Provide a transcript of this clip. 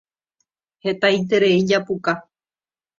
Hetaiterei japuka.